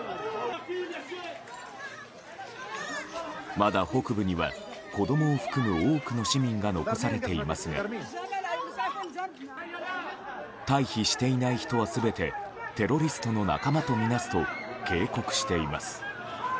まだ北部には、子供を含む多くの市民が残されていますが退避していない人は全てテロリストの仲間とみなすと警告しています。